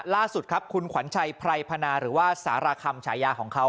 ล่าสุดครับคุณขวัญชัยไพรพนาหรือว่าสารคำฉายาของเขา